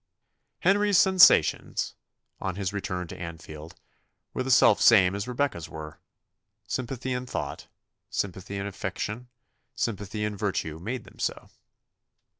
Henry's sensations, on his return to Anfield, were the self same as Rebecca's were; sympathy in thought, sympathy in affection, sympathy in virtue made them so.